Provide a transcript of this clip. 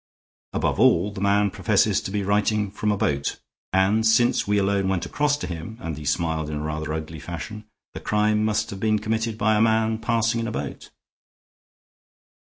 Above all, the man professes to be writing from a boat. And, since we alone went across to him," and he smiled in a rather ugly fashion, "the crime must have been committed by a man passing in a boat."